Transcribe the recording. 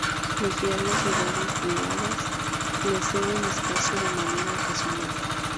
Los diarios y radios privadas le ceden espacio de manera ocasional.